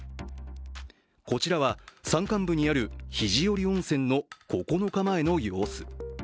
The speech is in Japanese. こちらは山間部にある肘折温泉の９日前の様子。